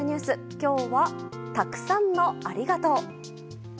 今日はたくさんのありがとう。